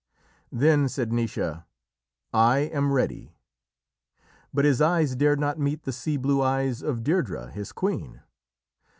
Then said Naoise: "I am ready." But his eyes dared not meet the sea blue eyes of Deirdrê, his queen.